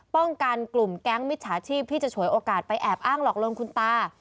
ป้องกันกลุ่มแก๊งมิจฉาชีพที่จะฉวยโอกาสไปแอบอ้างหลอกลวงคุณตา